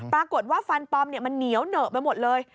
ปรากฏว่าฟันปลอมเนี่ยมันเหนียวเหนอะไปหมดเลย